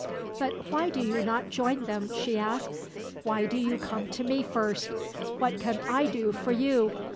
"But why do you not join them?" she asked. "Why do you come to me first? What can I do for you?